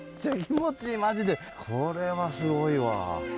マジでこれはすごいわ。